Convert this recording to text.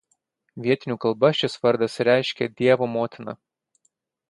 Vietinių kalba šis vardas reiškia „dievo motina“.